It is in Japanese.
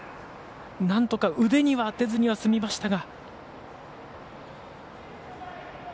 なんとか腕には当てずには済みましたが。